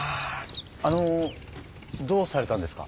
あのどうされたんですか？